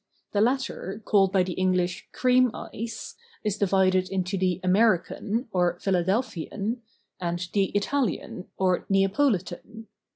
The latter, called by the English Cream Ice , is divided into the American, or Philadelphian, and the Italian, or Neapolitan.